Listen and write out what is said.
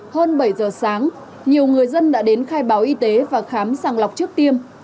hơn bảy giờ sáng nhiều người dân đã đến khai báo y tế và khám sàng lọc trước tiêm